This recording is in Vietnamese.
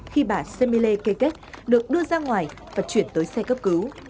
khi bà semile kê được đưa ra ngoài và chuyển tới xe cấp cứu